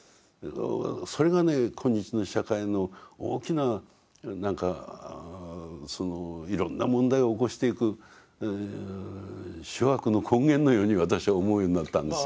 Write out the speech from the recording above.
それがね今日の社会の大きな何かそのいろんな問題を起こしていく諸悪の根源のように私は思うようになったんですよ。